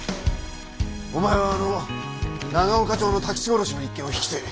お前はあの長岡町の太吉殺しの一件を引き継げ。